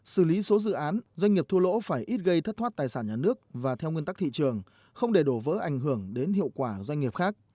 xử lý số dự án doanh nghiệp thua lỗ phải ít gây thất thoát tài sản nhà nước và theo nguyên tắc thị trường không để đổ vỡ ảnh hưởng đến hiệu quả doanh nghiệp khác